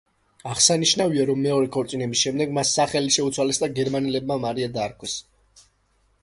აღსანიშნავია, რომ მეორე ქორწინების შემდეგ მას სახელი შეუცვალეს და გერმანელებმა მარია დაარქვეს.